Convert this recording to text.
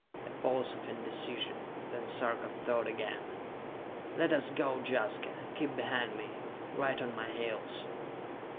A pause of indecision, then Sarka thought again: "Let us go, Jaska! Keep behind me, right on my heels!"